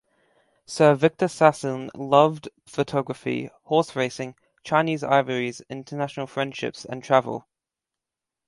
Sir Victor Sassoon loved photography, horse racing, Chinese ivories, international friendships and travel.